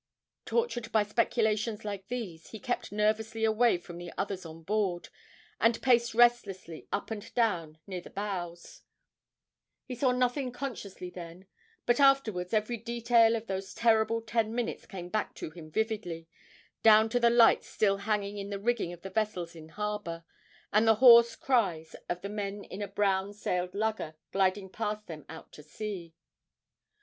Tortured by speculations like these, he kept nervously away from the others on board, and paced restlessly up and down near the bows; he saw nothing consciously then, but afterwards every detail of those terrible ten minutes came back to him vividly, down to the lights still hanging in the rigging of the vessels in harbour, and the hoarse cries of the men in a brown sailed lugger gliding past them out to sea.